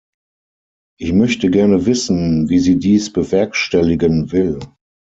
Ich möchte gerne wissen, wie sie dies bewerkstelligen will.